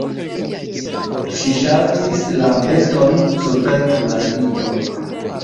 Ŝi ŝaltis lampeton super la lito.